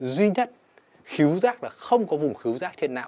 duy nhất khíu giác là không có vùng khíu giác trên não